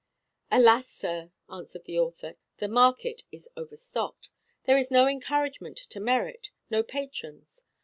"Alas! sir," answered the author, "it is overstocked. The market is overstocked. There is no encouragement to merit, no patrons.